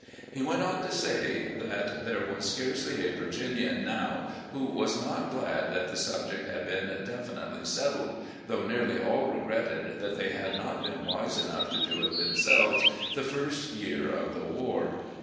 He went on to say that there was scarcely a Virginian now who was not glad that the subject had been definitely settled, though nearly all regretted that they had not been wise enough to do it themselves the first year of the war.